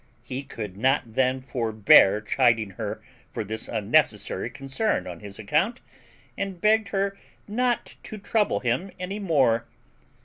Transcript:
He could not then forbear chiding her for this unnecessary concern on his account, and begged her not to trouble him any more.